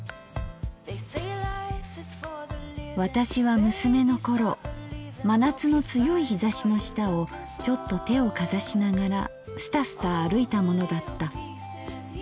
「私は娘のころ真夏の強い日射しの下をちょっと手をかざしながらスタスタ歩いたものだった。